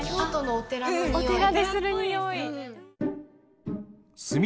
お寺でするにおい！